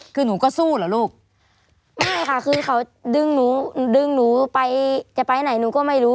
คือหนูก็สู้เหรอลูกไม่ค่ะคือเขาดึงหนูดึงหนูไปจะไปไหนหนูก็ไม่รู้